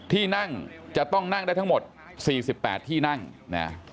ที่นั่งจะต้องนั่งได้ทั้งหมด๔๘ที่นั่งนะ